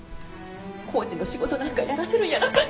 工事の仕事なんかやらせるんやなかった。